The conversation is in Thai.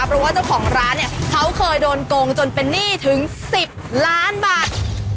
เพราะว่าเจ้าของร้านเนี่ยเขาเคยโดนโกงจนเป็นหนี้ถึง๑๐ล้านบาท